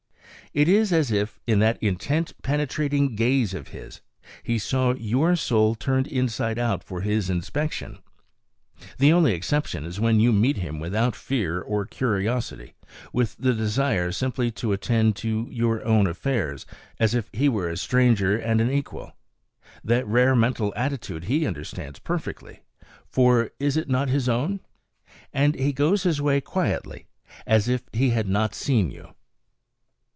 It is as if, in that intent, penetrating gaze of his, he saw your soul turned inside out for his inspection. The only exception is when you meet him without fear or curiosity, with the desire simply to attend to your own affairs, as if he were a stranger and an equal. That rare mental attitude he understands perfectly for is it not his own? and he goes his way quietly, as if he had not seen you.